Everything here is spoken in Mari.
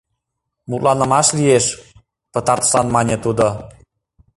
Мутланымаш лиеш, — пытартышлан мане тудо.